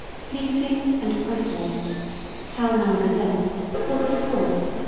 PLEASING AND PRATTLING (Pall Mall Gazette, August 4, 1880.)